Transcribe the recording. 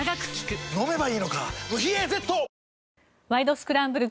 スクランブル」